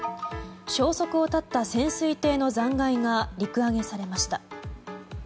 消息を絶った潜水艇の残骸が陸揚げされました。